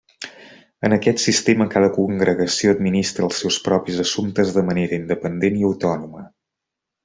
En aquest sistema cada congregació administra els seus propis assumptes de manera independent i autònoma.